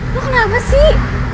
lo kenapa sih